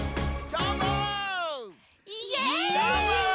どーも！